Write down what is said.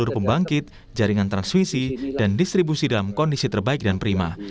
seluruh pembangkit jaringan transmisi dan distribusi dalam kondisi terbaik dan prima